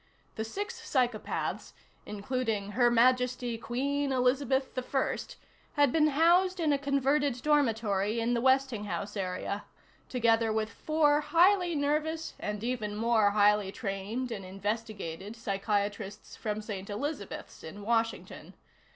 The six psychopaths including Her Majesty Queen Elizabeth I had been housed in a converted dormitory in the Westinghouse area, together with four highly nervous and even more highly trained and investigated psychiatrists from St. Elizabeths in Washington.